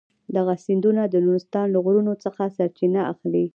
دغه سیندونه د نورستان له غرونو څخه سرچینه اخلي.